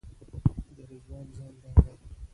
د رضوان زنګ راغی.